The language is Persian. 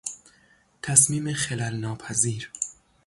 تصمیم خلل ناپذیر